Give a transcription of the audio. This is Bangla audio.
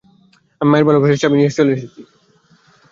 আমি মায়ের আলমারির চাবি নিয়ে চলে এসেছি।